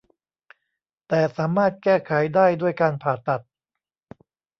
แต่สามารถแก้ไขได้ด้วยการผ่าตัด